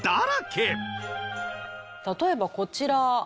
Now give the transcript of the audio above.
例えばこちら。